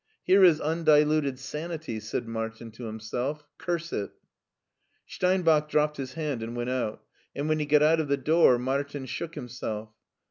"Here is undiluted sanity," said Martin to himself ;" curse it !" Steinbach dropped his hand and went out, and when he got out of the door Martin shook himself.